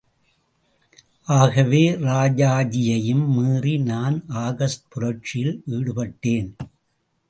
ஆகவே ராஜாஜியையும் மீறி நான் ஆகஸ்ட் புரட்சியில் ஈடுபட்டேன்.